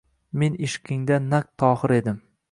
Men ishqingda naq Tohir edim.